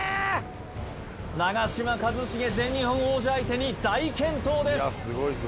長嶋一茂全日本王者相手に大健闘です